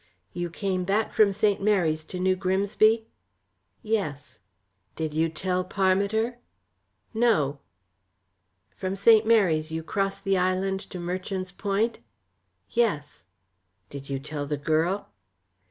"You came back from St. Mary's to New Grimsby?" "Yes." "Did you tell Parmiter?" "No." "From St. Mary's you crossed the island to Merchant's Point?" "Yes." "Did you tell the girl?"